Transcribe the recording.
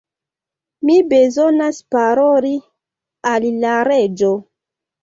Mi bezonas paroli al la Reĝo!